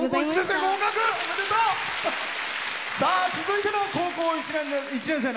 続いても高校１年生。